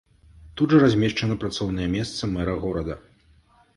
Тут жа размешчана працоўнае месца мэра горада.